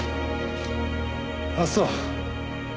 あっそう。